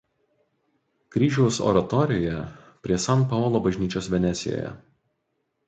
Kryžiaus oratorijoje prie San Paolo bažnyčios Venecijoje.